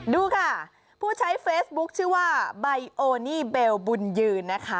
ดูค่ะผู้ใช้เฟซบุ๊คชื่อว่าใบโอนี่เบลบุญยืนนะคะ